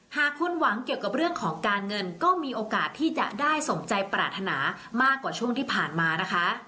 หากคุณหวังเกี่ยวกับเรื่องของการเงินก็มีโอกาสที่จะได้สมใจปรารถนามากกว่าช่วงที่ผ่านมานะคะ